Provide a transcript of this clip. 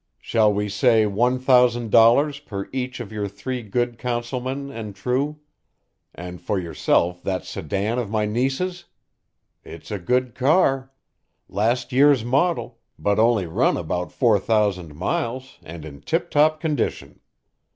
Shall we say one thousand dollars per each for your three good councilmen and true, and for yourself that sedan of my niece's? It's a good car. Last year's model, but only run about four thousand miles and in tiptop condition.